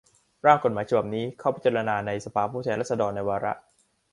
ร่างกฎหมายฉบับนี้เข้าพิจารณาในสภาผู้แทนราษฎรในวาระ